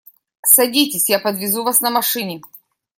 Садитесь, я подвезу вас на машине.